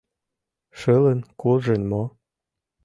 Шылын куржын мо?»